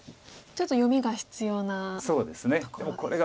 ちょっと読みが必要なところですか。